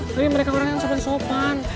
tapi mereka orang yang sempat sopan